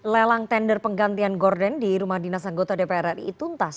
lelang tender penggantian gordon di rumah dinasanggota dpr ri itu entas